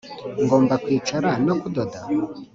ngomba kwicara no kudoda?